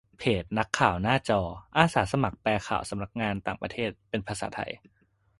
เพจ นักข่าวหน้าจอ อาสาสมัครแปลข่าวสำนักข่าวต่างประเทศเป็นภาษาไทย